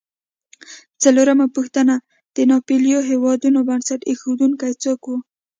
څلورمه پوښتنه: د ناپېیلو هېوادونو بنسټ ایښودونکي څوک و؟